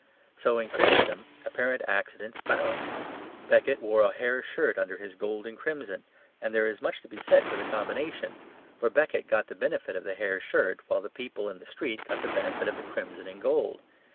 So in Christendom apparent accidents balanced. Becket wore a hair shirt under his gold and crimson, and there is much to be said for the combination; for Becket got the benefit of the hair shirt while the people in the street got the benefit of the crimson and gold.